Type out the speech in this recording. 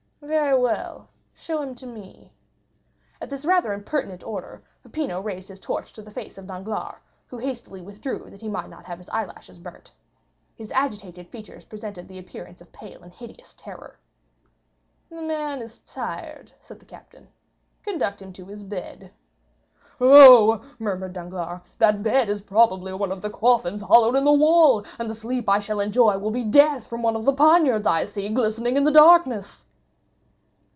"Very well, show him to me." At this rather impertinent order, Peppino raised his torch to the face of Danglars, who hastily withdrew that he might not have his eyelashes burnt. His agitated features presented the appearance of pale and hideous terror. "The man is tired," said the captain, "conduct him to his bed." "Oh," murmured Danglars, "that bed is probably one of the coffins hollowed in the wall, and the sleep I shall enjoy will be death from one of the poniards I see glistening in the darkness."